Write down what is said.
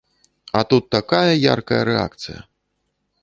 А тут такая яркая рэакцыя!